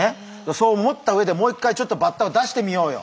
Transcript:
そう思った上でもう一回ちょっとバッタを出してみようよ！